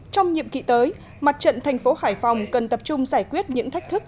trong nhiệm kỳ tới mặt trận thành phố hải phòng cần tập trung giải quyết những thách thức